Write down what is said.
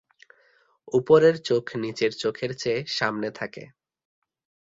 উপরের চোখ নিচের চোখের চেয়ে সামনে থাকে।